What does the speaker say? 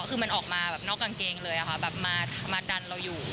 คือมันออกมานอกกางเกงเลยมาดันเราอยู่